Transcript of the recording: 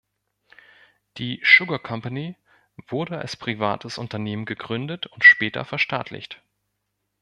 Die Sugar Company wurde als privates Unternehmen gegründet und später verstaatlicht.